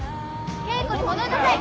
稽古に戻りなさい！